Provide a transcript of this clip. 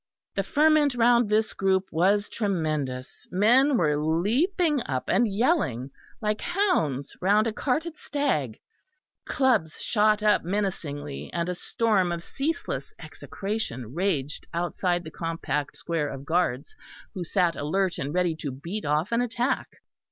The ferment round this group was tremendous; men were leaping up and yelling, like hounds round a carted stag; clubs shot up menacingly, and a storm of ceaseless execration raged outside the compact square of guards who sat alert and ready to beat off an attack.